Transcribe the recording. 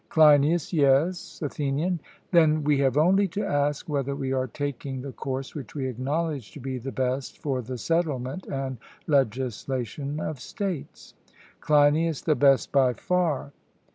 CLEINIAS: Yes. ATHENIAN: Then we have only to ask, whether we are taking the course which we acknowledge to be the best for the settlement and legislation of states. CLEINIAS: The best by far.